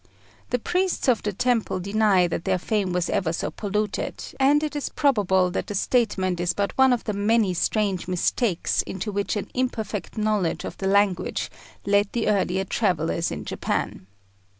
The priests of the temple deny that their fane was ever so polluted, and it is probable that the statement is but one of the many strange mistakes into which an imperfect knowledge of the language led the earlier travellers in Japan.